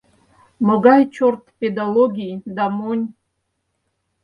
Могай чорт педологий да монь?..